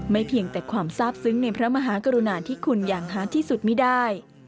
เพียงแต่ความทราบซึ้งในพระมหากรุณาที่คุณอย่างหาที่สุดไม่ได้